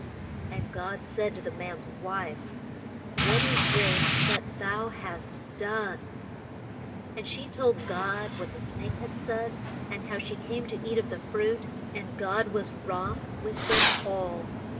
And God said to the man's wife, What is this that thou hast done? And she told God what the snake had said, and how she came to eat of the fruit, and God was wroth with them all.